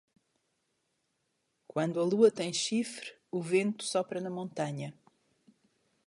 Quando a lua tem chifre, o vento sopra na montanha.